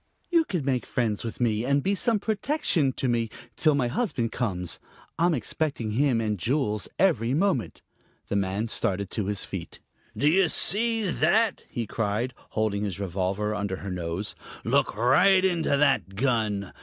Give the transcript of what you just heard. You can make friends with me, and be some protection to me till my husband comes. I'm expecting him and Jules every moment." The man started to his feet. "Do you see that?" he cried, holding his revolver under her nose. "Look right into that gun!